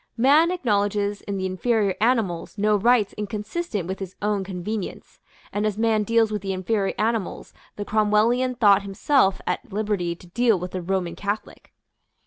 Man acknowledges in the inferior animals no rights inconsistent with his own convenience; and as man deals with the inferior animals the Cromwellian thought himself at liberty to deal with the Roman Catholic.